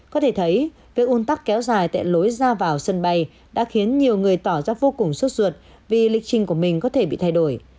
có thể thấy việc un tắc kéo dài tại lối ra vào sân bay đã khiến nhiều người tỏ ra vô cùng sốt ruột vì lịch trình của mình có thể bị thay đổi